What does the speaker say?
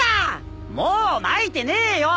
もうまいてねえよ。